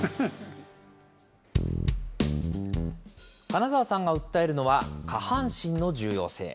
金澤さんが訴えるのは、下半身の重要性。